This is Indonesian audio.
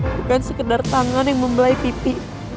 bukan sekedar tangan yang membelai pipi